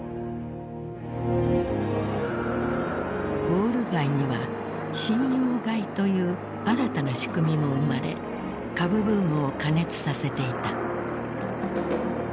ウォール街には信用買いという新たな仕組みも生まれ株ブームを過熱させていた。